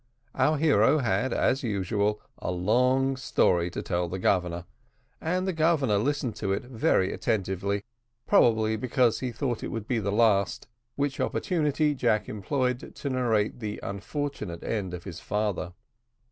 Our hero had, as usual, a long story to tell the Governor, and the Governor listened to it very attentively, probably because he thought it would be the last, which opportunity Jack employed to narrate the unfortunate end of his father.